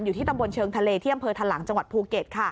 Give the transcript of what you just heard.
อยู่ที่บเชิงทะเลเที่ยงผลทหารหลังจังหวัดภูเกต